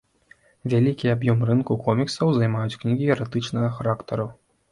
Вялікі аб'ем рынку коміксаў займаюць кнігі эратычнага характару.